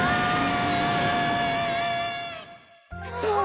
さあ